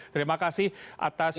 terima kasih atas